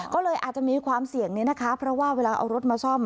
ก็เลยอาจจะมีความเสี่ยงนี้นะคะเพราะว่าเวลาเอารถมาซ่อม